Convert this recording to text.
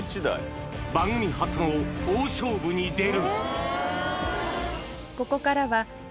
番組初の大勝負に出る。